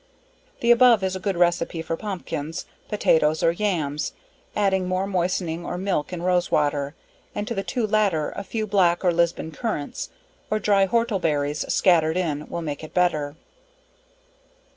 The above is a good receipt for Pompkins, Potatoes or Yams, adding more moistening or milk and rose water, and to the two latter a few black or Lisbon currants, or dry whortleberries scattered in, will make it better.